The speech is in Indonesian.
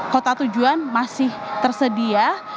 kota tujuan masih tersedia